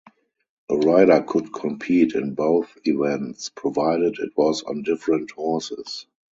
A rider could compete in both events, provided it was on different horses.